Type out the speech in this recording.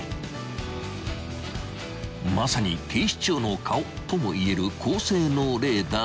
［まさに警視庁の顔ともいえる高性能レーダー齋木］